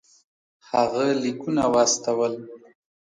هغه لیکونه واستول.